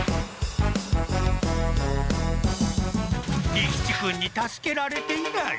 利吉君に助けられていらい。